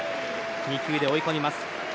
２球で追い込みます。